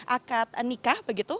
akad nikah begitu